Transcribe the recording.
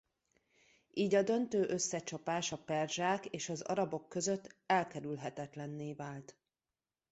Így a döntő összecsapás a perzsák és az arabok között elkerülhetetlenné vált.